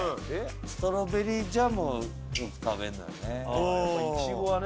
ストロベリージャムよく食べんのよね。